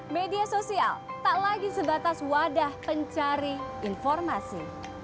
media sosial tak lagi sebatas wadah pencari informasi